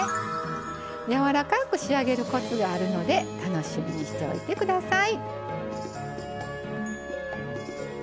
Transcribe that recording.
柔らかく仕上げるコツがあるので楽しみにしておいて下さい。